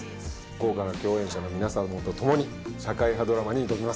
豪華な共演者の皆さんと共に社会派ドラマに挑みます。